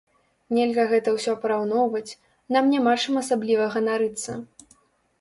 Нельга гэта ўсё параўноўваць, нам няма чым асабліва ганарыцца.